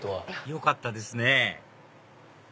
よかったですね